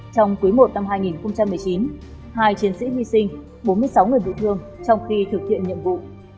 trong quý i năm hai nghìn một mươi chín hai chiến sĩ hy sinh bốn mươi sáu người bị thương trong khi thực hiện nhiệm vụ